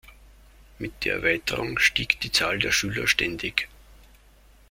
Mit der Erweiterung stieg die Zahl der Schüler ständig.